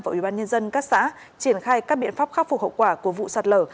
và ủy ban nhân dân các xã triển khai các biện pháp khắc phục hậu quả của vụ sạt lở